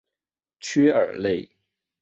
屈尔内。